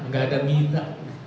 nggak ada mita